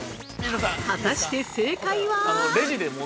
◆果たして正解は。